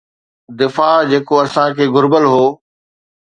دفاع جيڪو اسان کي گهربل هو.